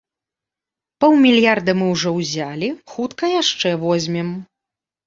Паўмільярда мы ўжо ўзялі, хутка яшчэ возьмем.